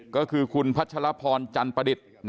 ก็คือคุณพัชรพรจันประดิษฐ์